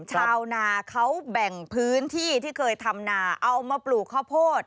ชาวนาเขาแบ่งพื้นที่ที่เคยทำนาเอามาปลูกข้าวโพด